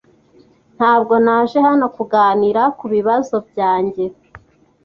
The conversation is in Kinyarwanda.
Ntabwo naje hano kuganira kubibazo byanjye.